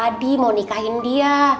adi mau nikahin dia